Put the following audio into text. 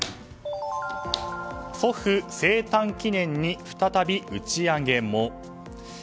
祖父生誕記念に再び打ち上げも？